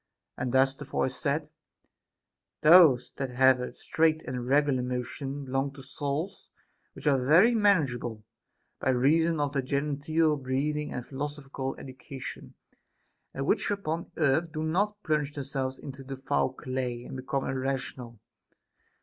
And thus the voice said : Those that have a straight and regular motion belong to souls which are very manageable, by reason of their genteel breeding and phil osophical education, and which upon earth do not plunge themselves into the foul clay and become irrational.